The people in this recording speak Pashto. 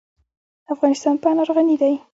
افغانستان په انار غني دی.